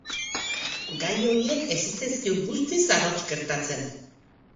Gai horiek ez zitzaizkion guztiz arrotz gertatzen.